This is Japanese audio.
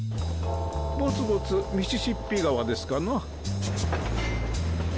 ぼつぼつミシシッピ川ですかな。